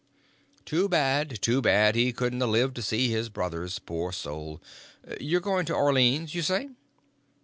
"Too bad, too bad he couldn't a lived to see his brothers, poor soul. You going to Orleans, you say?"